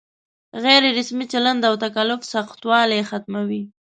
غیر رسمي چلن او تکلف سختوالی ختموي.